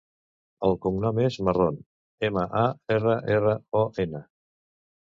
El cognom és Marron: ema, a, erra, erra, o, ena.